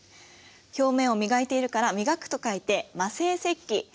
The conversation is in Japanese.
表面を磨いているから磨くと書いて磨製石器。